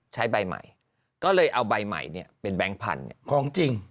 ใช้ใบใหม่ก็เลยเอาใบใหม่เนี่ยเป็นแบงค์พันธุ์ของจริง